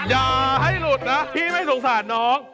อย่าให้หลุดนะพี่ไม่สงสารน้อง